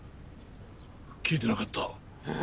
聞いてなかった。